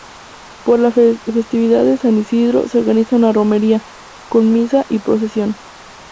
Por la festividad de San Isidro se organiza una romería, con misa y procesión.